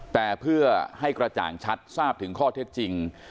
แต่เพื่อให้กระจ่างชัดทราบถึงข้อเท็จจริง